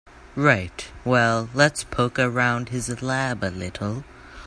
Right, well let's poke around his lab a little.